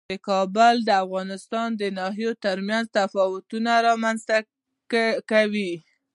کابل د افغانستان د ناحیو ترمنځ تفاوتونه رامنځ ته کوي.